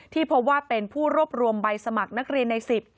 พบว่าเป็นผู้รวบรวมใบสมัครนักเรียนใน๑๐